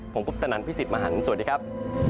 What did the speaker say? ผมพุทธนันพี่สิทธิ์มหันฯสวัสดีครับ